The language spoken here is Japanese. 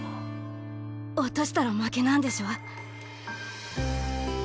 落としたら負けなんでしょ？